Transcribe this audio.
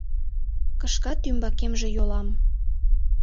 Кышкат ӱмбакемже йолам.